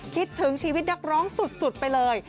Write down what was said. คิดถึงชีวิตนักร้องสุดไปเลย